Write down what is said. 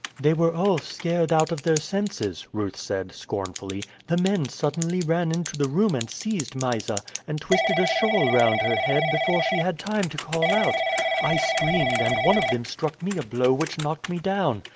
"They were all scared out of their senses," Ruth said scornfully. "The men suddenly ran into the room and seized Mysa, and twisted a shawl round her head before she had time to call out. I screamed, and one of them struck me a blow which knocked me down.